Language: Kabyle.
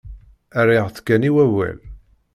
Rriɣ-tt kan i wawal.